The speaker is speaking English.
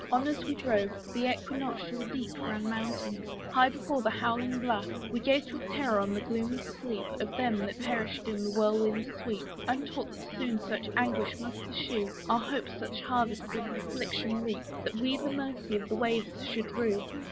On as we drove, the equinoctial deep Ran mountains high before the howling blaft. We gazed with terror on the gloomy sleep Of them that perished in the whirlwind's sweep, Untaught that soon such anguish must ensue, Our hopes such harvest of affliction reap, That we the mercy of the waves should rue.